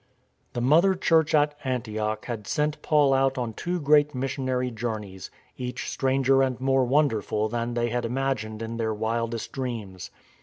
The Mother church at Antioch had sent Paul out on two great missionary journeys, each stranger and more wonderful than they had imagined in their wildest dreams.